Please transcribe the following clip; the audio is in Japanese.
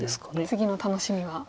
次の楽しみが。